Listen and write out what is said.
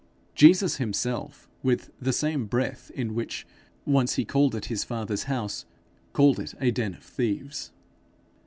Jesus himself, with the same breath in which once he called it his father's house, called it a den of thieves.